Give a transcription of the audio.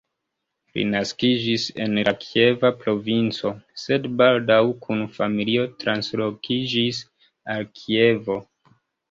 Li naskiĝis en la Kieva provinco, sed baldaŭ kun familio translokiĝis al Kievo.